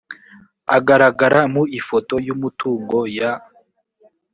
agaragara mu ifoto y umutungo ya